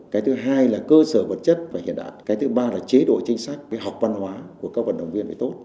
cái thứ hai là cơ sở vật chất và hiện đại cái thứ ba là chế độ chính sách cái học văn hóa của các vận động viên phải tốt